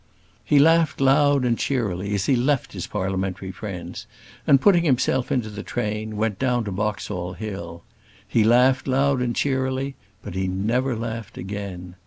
He laughed loud and cheerily as he left his parliamentary friends, and, putting himself into the train, went down to Boxall Hill. He laughed loud and cheerily; but he never laughed again.